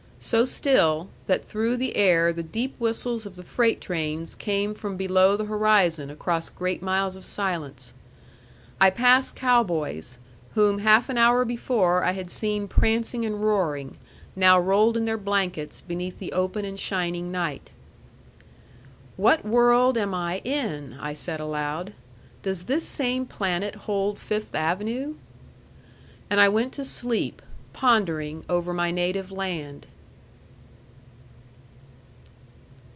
So still, that through the air the deep whistles of the freight trains came from below the horizon across great miles of silence. I passed cow boys, whom half an hour before I had seen prancing and roaring, now rolled in their blankets beneath the open and shining night. "What world am I in?" I said aloud. "Does this same planet hold Fifth Avenue?" And I went to sleep, pondering over my native land.